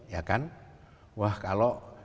ya kan wah kalau